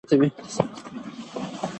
د پرېکړو ځنډ ستونزې زیاتوي